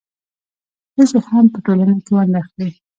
ښځې هم په ټولنه کې ونډه اخلي.